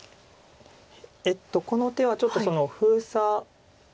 えっとこの手はちょっと封鎖。